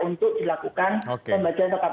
untuk dilakukan pembajaran tetap